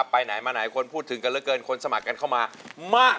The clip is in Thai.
ไปไหนมาไหนคนพูดถึงกันเหลือเกินคนสมัครกันเข้ามามาก